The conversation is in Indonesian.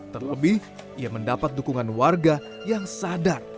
terlebih ia mendapat dukungan warga yang sadar